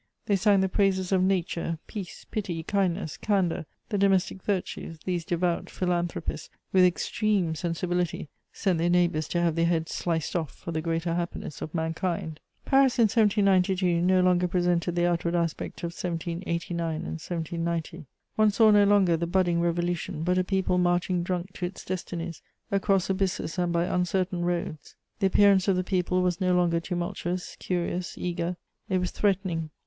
They sang the praises of nature, peace, pity, kindness, candour, the domestic virtues; these devout philanthropists, with extreme sensibility, sent their neighbours to have their heads sliced off for the greater happiness of mankind. * [Sidenote: Paris in 1792.] Paris in 1792 no longer presented the outward aspect of 1789 and 1790: one saw no longer the budding Revolution, but a people marching drunk to its destinies, across abysses and by uncertain roads. The appearance of the people was no longer tumultuous, curious, eager: it was threatening.